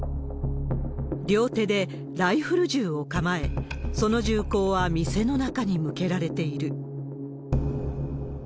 両手でライフル銃を構え、その銃口は店の中に向けられている。